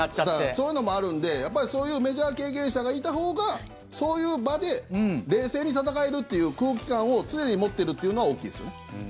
そういうのもあるのでやっぱり、そういうメジャー経験者がいたほうがそういう場で冷静に戦えるっていう空気感を常に持ってるっていうのは大きいですよね。